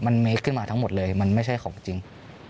มันเมตรขึ้นมาทั้งหมดเลยมันไม่ใช่ของจริง